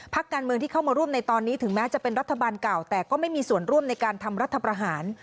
การเมืองที่เข้ามาร่วมในตอนนี้ถึงแม้จะเป็นรัฐบาลเก่าแต่ก็ไม่มีส่วนร่วมในการทำรัฐประหาร